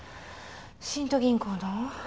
新都銀行の？